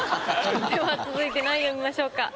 では続いて何位を見ましょうか？